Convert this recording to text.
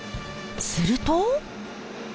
すると。